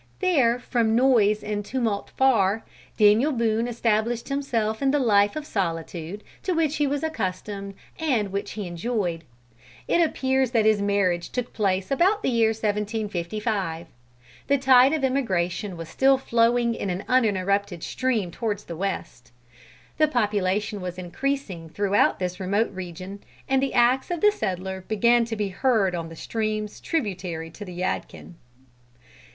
There "from noise and tumult far," Daniel Boone established himself in the life of solitude, to which he was accustomed and which he enjoyed. It appears that his marriage took place about the year 1755. The tide of emigration was still flowing in an uninterrupted stream towards the west. The population was increasing throughout this remote region, and the axe of the settler began to be heard on the streams tributary to the Yadkin.